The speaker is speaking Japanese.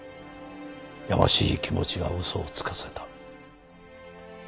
やましい気持ちが嘘をつかせた。